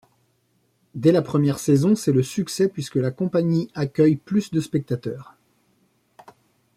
Dès la première saison, c'est le succès puisque la compagnie accueille plus de spectateurs.